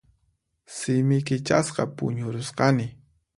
Simi kichasqa puñurusqani.